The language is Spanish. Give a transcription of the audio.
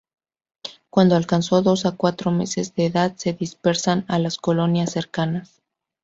Cuando alcanzan dos a cuatro meses de edad se dispersan a las colonias cercanas.